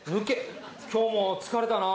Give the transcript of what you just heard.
今日も疲れたなあ。